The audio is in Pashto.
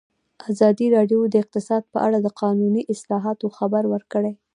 ازادي راډیو د اقتصاد په اړه د قانوني اصلاحاتو خبر ورکړی.